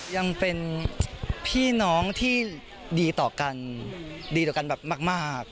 ยังเป็นพี่น้องที่ดีต่อกันดีต่อกันแบบมาก